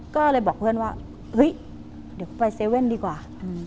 ก็เลยบอกเพื่อนว่าเฮ้ยเดี๋ยวไปเซเว่นดีกว่า